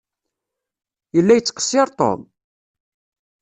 Yella yettqeṣṣiṛ Tom?